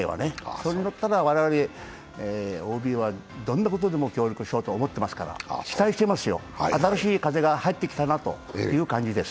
それだったら我々ＯＢはどんなことでも協力しようと思ってますから期待していますよ、新しい風が入ってきたなという感じです。